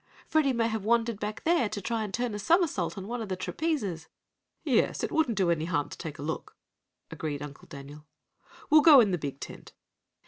"Freddie may have wandered back in there to try and turn a somersault on one of the trapezes." "Yes, it wouldn't do any harm to take a look," agreed Uncle Daniel. "We'll go in the big tent."